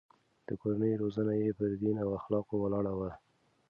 د کورنۍ روزنه يې پر دين او اخلاقو ولاړه وه.